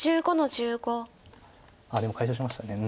あっでも解消しました。